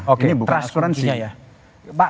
oke trust kuransinya ya